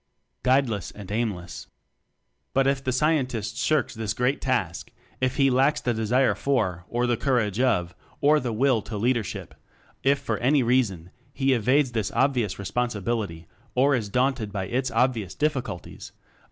Guideless and Aimless! But if the Scientist shirks this great task, if he lacks the desire for, or the courage of, or the will to Leader ship; if for any reason he evades this obvious responsibility, or is daunted by its obvious difficulties